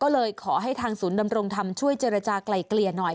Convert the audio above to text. ก็เลยขอให้ทางศูนย์ดำรงธรรมช่วยเจรจากลายเกลี่ยหน่อย